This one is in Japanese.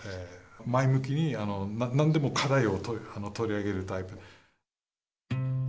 前向きになんでも課題を取り上げるタイプ。